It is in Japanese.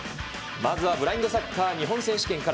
まずはブラインドサッカー日本選手権から。